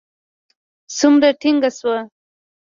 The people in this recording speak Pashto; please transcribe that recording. څومره ټينګ شو.